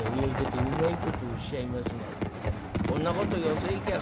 こんなこと寄席行きゃ